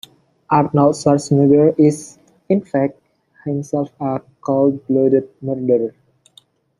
Arnold Schwarzenegger is, in fact, himself a cold blooded murderer.